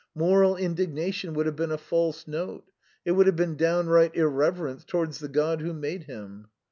Moral indignation would have been a false note; it would have been downright irreverence towards the God who made him.